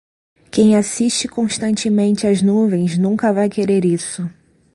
Quem assiste constantemente as nuvens nunca vai querer isso.